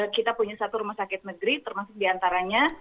kita punya satu rumah sakit negeri termasuk diantaranya